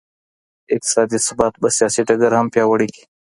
اقتصادي ثبات به سیاسي ډګر هم پیاوړی کړي.